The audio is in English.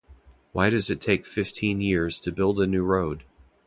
Why does it take fifteen years to build a new road?